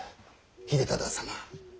秀忠様。